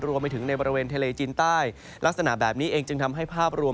รวมไปถึงในบริเวณทะเลจีนใต้ลักษณะแบบนี้เองจึงทำให้ภาพรวม